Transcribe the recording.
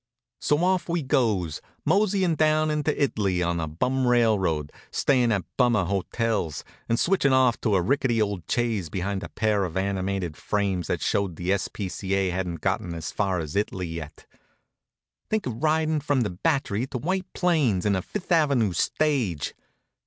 So off we goes, moseyin' down into It'ly on a bum railroad, staying at bummer hotels, and switching off to a rickety old chaise behind a pair of animated frames that showed the S. P. C. A. hadn't got as far as It'ly yet. Think of riding from the Battery to White Plains in a Fifth Avenue stage!